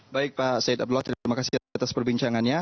baik pak said abdullah terima kasih atas perbincangannya